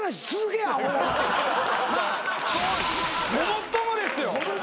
ごもっともですよ。